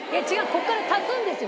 ここから足すんですよ